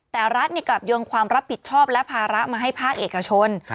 แต่รัฐกลับโยงความรับผิดชอบและภาระมาให้ภาคเอกชน